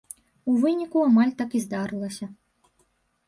У выніку амаль так і здарылася.